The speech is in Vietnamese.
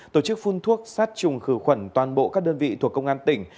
tổ chức phun thuốc sát trùng khử khuẩn toàn bộ các đơn vị thuộc công an tỉnh